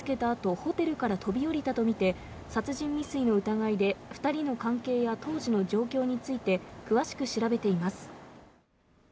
あとホテルから飛び降りたとみて殺人未遂の疑いで２人の関係や当時の状況について詳しく調べています。